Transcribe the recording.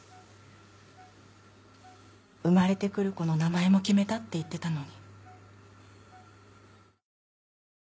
生まれてくる子の名前も決めたって言ってたのに。